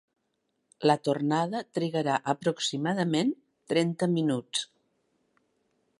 La tornada trigarà aproximadament trenta minuts.